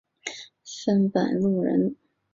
范百禄人。